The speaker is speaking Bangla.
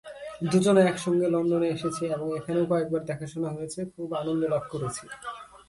দু-জনে একসঙ্গে লণ্ডনে এসেছি এবং এখানেও কয়েকবার দেখাশুনা হয়েছে, খুব আনন্দলাভ করেছি।